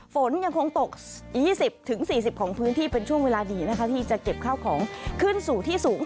ฝนยังคงตก๒๐๔๐ของพื้นที่เป็นช่วงเวลาดีนะคะที่จะเก็บข้าวของขึ้นสู่ที่สูง